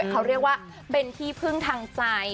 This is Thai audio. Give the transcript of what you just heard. เขาเรียกว่าเป็นที่พึ่งทางใจ